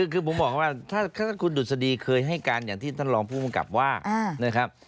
คือผมบอกว่าถ้าคุณดุษฎีเคยให้การอย่างที่ท่านรองผู้กำกับว่านะครับ